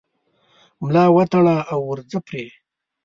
ملا وتړه او ورځه پرې